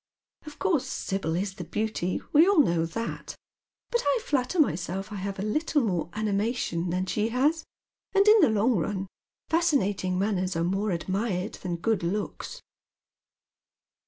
'* Of course Sibyl is the beauty, we all know that ; but I flatter myself I have a little more animation than she has, and in the long run, fascinating manners are more admired than good looks."